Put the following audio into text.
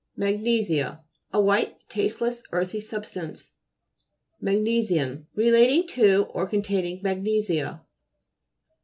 MAGNE'SIA A white, tasteless earthy substance. MAGNE'SIAN Relating to, or con taining magnesia.